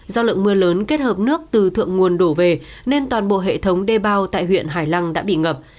do lượng mưa lớn kết hợp nước từ thượng nguồn đổ về nên toàn bộ hệ thống đê bao tại huyện hải lăng đã bị ngập